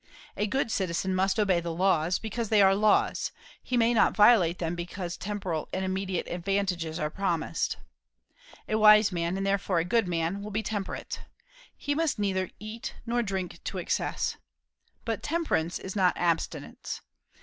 A good citizen must obey the laws, because they are laws: he may not violate them because temporal and immediate advantages are promised. A wise man, and therefore a good man, will be temperate. He must neither eat nor drink to excess. But temperance is not abstinence.